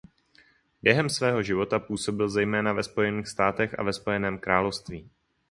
Během svého života působil zejména ve Spojených státech a ve Spojeném království.